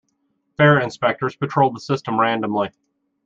Fare inspectors patrol the system randomly.